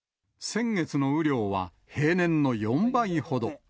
先月の雨量は、平年の４倍ほど。